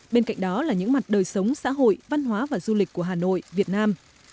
bên cạnh đó là những mặt đời sống xã hội văn hóa và du lịch của hà nội việt nam